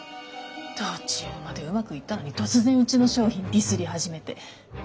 途中までうまくいったのに突然うちの商品ディスり始めて。